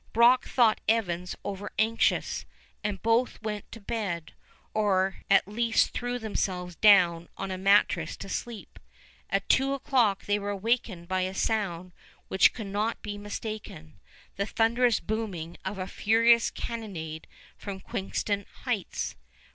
Brock thought Evans over anxious, and both went to bed, or at least threw themselves down on a mattress to sleep. At two o'clock they were awakened by a sound which could not be mistaken, the thunderous booming of a furious cannonade from Queenston Heights.